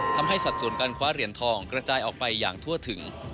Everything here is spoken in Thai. สัดส่วนการคว้าเหรียญทองกระจายออกไปอย่างทั่วถึง